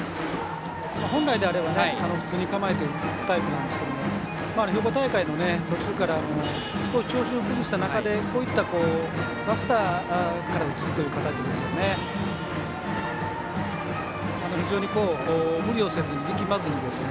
本来であれば普通に構えて打つタイプですが兵庫大会の途中から少し調子を崩した中でバスターから打つという形ですね。